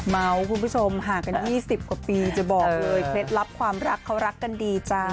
คุณผู้ชมห่างกัน๒๐กว่าปีจะบอกเลยเคล็ดลับความรักเขารักกันดีจ้า